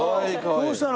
どうしたの？